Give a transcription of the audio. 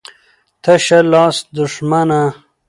ـ تشه لاسه دښمنه.